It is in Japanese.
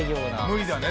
「無理だね